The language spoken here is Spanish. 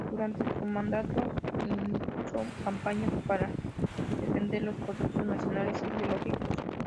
Durante su mandato impulsó campañas para defender los productos nacionales y biológicos.